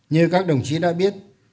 như các đồng chí đã biết